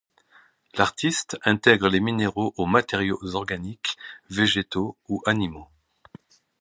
L’’artiste intègre les minéraux aux matériaux organiques, végétaux ou animaux.